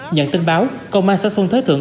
nhận tin báo công an xã xuân thế thượng